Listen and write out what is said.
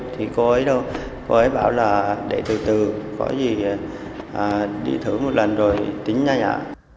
thì cô ấy đâu cô ấy bảo là để từ từ có gì đi thử một lần rồi tính nha nhà